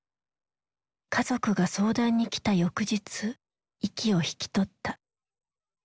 家族が相談に来た翌日息を引き取った。